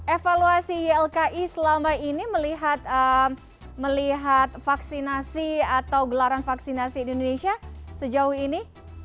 evaluasi ylki selama ini melihat vaksinasi atau gelaran vaksinasi di indonesia sejauh ini